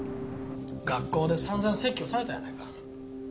学校で散々説教されたやないか。